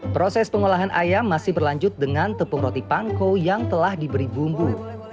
proses pengolahan ayam masih berlanjut dengan tepung roti pangko yang telah diberi bumbu